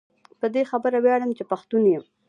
په دي خبره وياړم چي پښتون يم